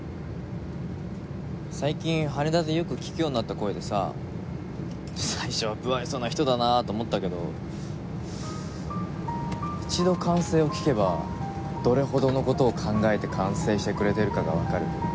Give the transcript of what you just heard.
最近羽田でよく聞くようになった声でさ最初は無愛想な人だなあと思ったけど一度管制を聞けばどれほどの事を考えて管制してくれてるかがわかる。